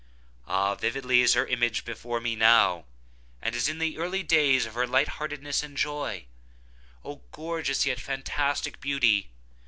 Ah, vividly is her image before me now, as in the early days of her light heartedness and joy! Oh, gorgeous yet fantastic beauty!